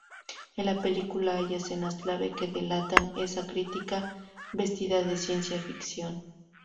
En la película hay escenas clave que delatan esa crítica vestida de ciencia ficción.